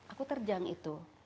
aku terjang itu